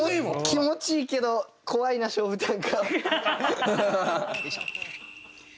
気持ちいいけど怖いな勝負短歌。